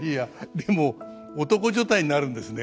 でも男所帯になるんですね。